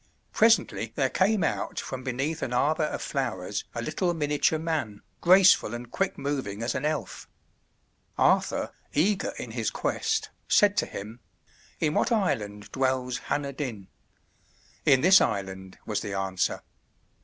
Presently there came out from beneath an arbor of flowers a little miniature man, graceful and quick moving as an elf. Arthur, eager in his quest, said to him, "In what island dwells Hanner Dyn?" "In this island," was the answer.